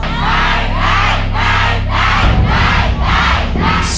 ได้